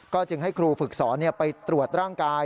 จึงให้ครูฝึกสอนไปตรวจร่างกาย